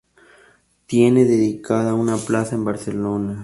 Tiene dedicada una plaza en Barcelona.